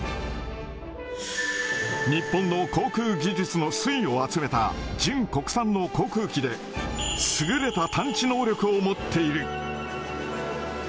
日本の航空技術の粋を集めた純国産の航空機で、優れた探知能力を持っている。